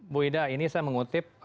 bu ida ini saya mengutip